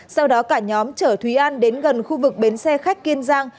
sau đó cả nhóm chở thúy an đến gần khu vực bến xe khách kiên giang